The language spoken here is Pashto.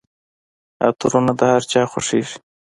عطرونه د هرچا خوښیږي.